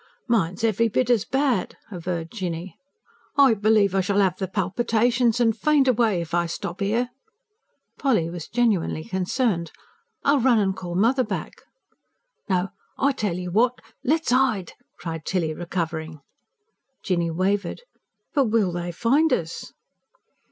"Mine's every bit as bad," averred Jinny. "I believe I shall 'ave the palpitations and faint away, if I stop 'ere." Polly was genuinely concerned. "I'll run and call mother back." "No, I tell you what: let's 'ide!" cried Tilly, recovering. Jinny wavered. "But will they find us?"